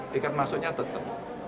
tiket masuknya tetap